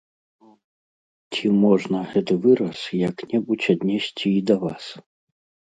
Ці можна гэты выраз як-небудзь аднесці і да вас?